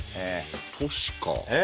都市か。